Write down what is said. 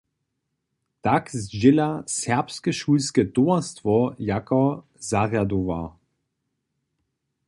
Tak zdźěla Serbske šulske towarstwo jako zarjadowar.